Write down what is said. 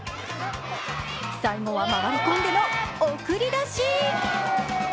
最後は回り込んでの送り出し。